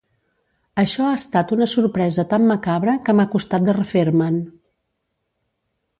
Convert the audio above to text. Això ha estat una sorpresa tan macabra que m'ha costat de refer-me'n.